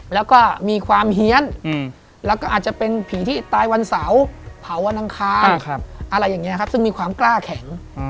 แล้วก็มีความเฮียนแล้วก็อาจจะเป็นผีที่ตายวันเสาร์เผาวันอังคารอะไรอย่างนี้ครับซึ่งมีความกล้าแข็ง